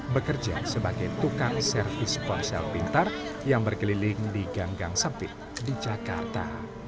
bekerja sebagai tukang servis ponsel pintar yang berkeliling di ganggang sempit di jakarta